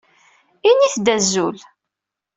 Init-d azul.